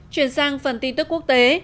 chuyển sang phần tin tức quốc tế